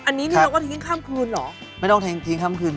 อันนี้นี่เราก็ทิ้งข้ามคืนเหรอไม่ต้องทิ้งทิ้งข้ามคืน